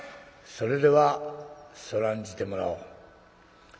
「それではそらんじてもらおう。